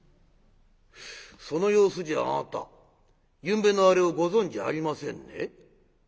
「その様子じゃあなたゆんべのアレをご存じありませんね？」。